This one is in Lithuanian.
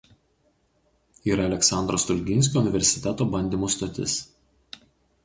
Yra Aleksandro Stulginskio universiteto bandymų stotis.